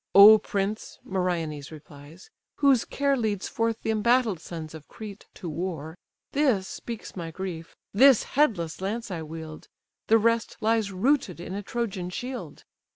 "O prince! (Meriones replies) whose care Leads forth the embattled sons of Crete to war; This speaks my grief: this headless lance I wield; The rest lies rooted in a Trojan shield."